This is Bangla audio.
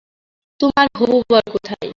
তোমার হবু বর কোথায়?